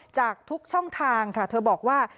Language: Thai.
จากทุกช่องทางค่ะเธอบอกว่า